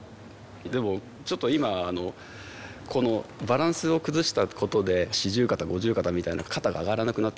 でもちょっと今バランスを崩したことで四十肩五十肩みたいな肩が上がらなくなってしまったので。